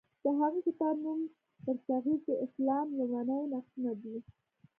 د هغه کتاب نوم برصغیر کې اسلام لومړني نقشونه دی.